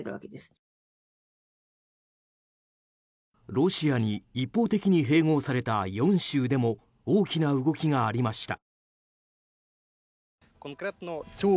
ロシアに一方的に併合された４州でも大きな動きがありました。